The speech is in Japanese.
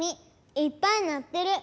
いっぱいなってる。